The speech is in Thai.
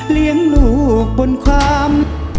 เลี้ยงลูกบนความ